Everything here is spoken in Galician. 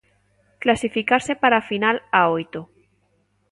Clasificarse para a final a oito.